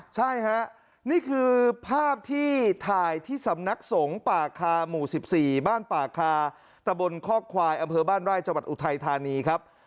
ใช่ฮะนี่คือภาพที่ถ่ายที่สำนักสงฆ์ป่าคาหมู่๑๔บ้านป่าคาตะบนคอกควายอำเภอบ้านไร่จังหวัดอุทัยธานีครับ